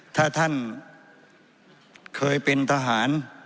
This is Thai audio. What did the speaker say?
ถ้าท่านเคยเป็นทหาร